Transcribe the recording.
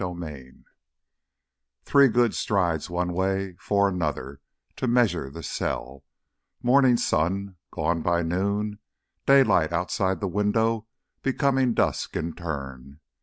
going away.... 14 Three good strides one way, four another to measure the cell. Morning sun, gone by noon, daylight outside the window becoming dusk in turn.